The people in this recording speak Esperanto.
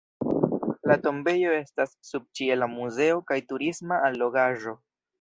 La tombejo estas subĉiela muzeo kaj turisma allogaĵo.